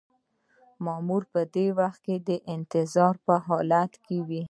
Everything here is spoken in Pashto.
مامور په دې وخت کې د انتظار په حالت کې وي.